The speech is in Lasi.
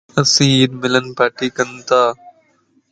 اسين عيد ملڻ پارٽي ڪنتا